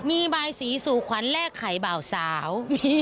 มีใบสีสูขวัญแลกไข่เบาสาว